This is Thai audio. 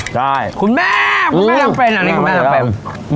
ใช่คุณแม่ครูไม่รับเพร็มอันนี้คุณแม่นำแปรง